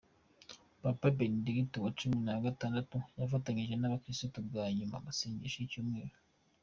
Papa Benedigito wa cumi na gatandatu yafatanyije n’ abakirisitu bwa nyuma amasengesho y’icyumweru